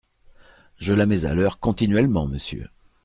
Je la mets à l’heure continuellement, monsieur.